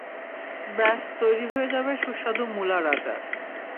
ব্যাস তৈরি হয়ে যাবে সুস্বাদু মুলার আচার।